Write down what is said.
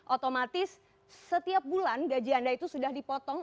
otomatis setiap bulan gaji anda itu sudah dipotong